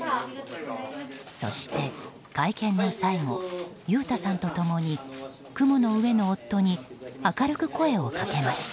そして、会見の最後裕太さんと共に雲の上の夫に明るく声をかけました。